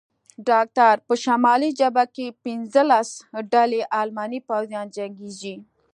ډاکټر: په شمالي جبهه کې پنځلس ډلې الماني پوځیان جنګېږي.